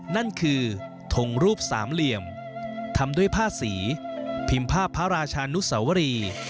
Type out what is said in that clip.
นั่นคือทงรูปสามเหลี่ยมทำด้วยผ้าสีพิมพ์ภาพพระราชานุสวรี